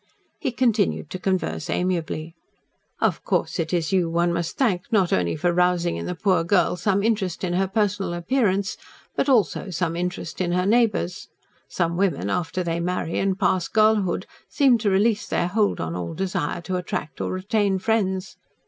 He continued to converse amiably. "Of course, it is you one must thank, not only for rousing in the poor girl some interest in her personal appearance, but also some interest in her neighbours. Some women, after they marry and pass girlhood, seem to release their hold on all desire to attract or retain friends.